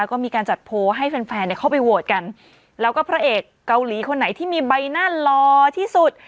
แล้วก็มีการจัดโพลให้แฟนแฟนเนี่ยเข้าไปโหวตกันแล้วก็พระเอกเกาหลีคนไหนที่มีใบหน้ารอที่สุด